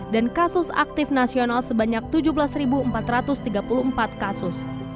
dan kasus aktif nasional sebanyak tujuh belas empat ratus tiga puluh empat kasus